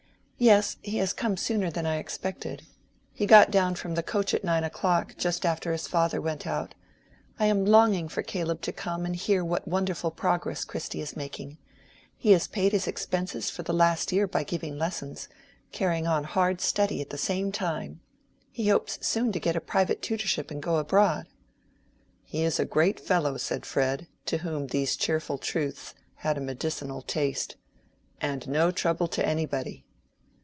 "Yes; he has come sooner than I expected. He got down from the coach at nine o'clock, just after his father went out. I am longing for Caleb to come and hear what wonderful progress Christy is making. He has paid his expenses for the last year by giving lessons, carrying on hard study at the same time. He hopes soon to get a private tutorship and go abroad." "He is a great fellow," said Fred, to whom these cheerful truths had a medicinal taste, "and no trouble to anybody."